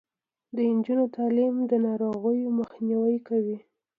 د نجونو تعلیم د ناروغیو مخنیوی کوي.